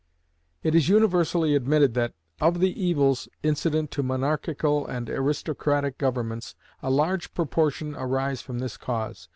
It is universally admitted that, of the evils incident to monarchical and aristocratic governments, a large proportion arise from this cause.